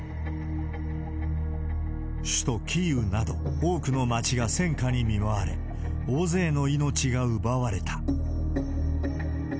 首都キーウなど、多くの町が戦火に見舞われ、大勢の命が奪われた。